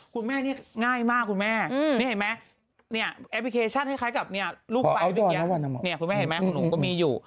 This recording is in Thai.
คุณแม่นี่ง่ายมากคุณแม่นี่เห็นไหมแอปพลิเคชันคล้ายกับลูกไฟแบบนี้คุณแม่เห็นไหมคุณหนูก็มีอยู่